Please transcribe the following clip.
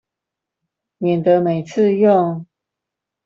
免得每次用